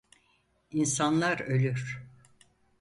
İnsanlar ölür.